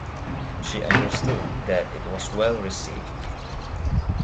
She understood that it was well received.